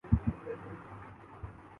میں تمہیں چھوڑوں گانہیں